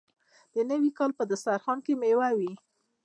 د نوي کال په دسترخان کې میوه وي.